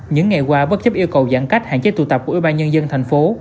những ngày qua bất chấp yêu cầu giãn cách hạn chế tụ tập của ủy ban nhân dân thành phố